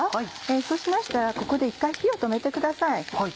そうしましたらここで一回火を止めてください。